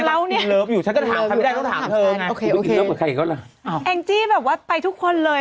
แอ็งจี้แบบว่าไปทุกคนเลย